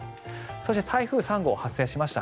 そして、台風３号が発生しました。